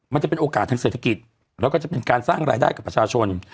มันจะเป็นโอกาสทางเศรษฐกิจแล้วก็จะเป็นการสร้างรายได้กับประชาชน